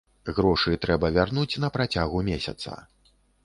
Грошы трэба вярнуць на працягу месяца.